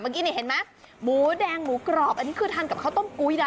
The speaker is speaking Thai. เมื่อกี้นี่เห็นไหมหมูแดงหมูกรอบอันนี้คือทานกับข้าวต้มกุ้ยนะ